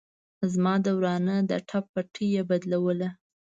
زما د ورانه د ټپ پټۍ يې بدلوله.